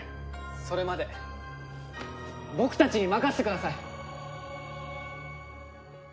それまで僕たちに任せてください！